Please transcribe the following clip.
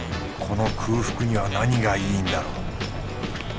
この空腹には何がいいんだろう。